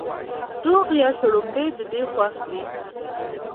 دوغ یا شړومبې د دوی خوښ دي.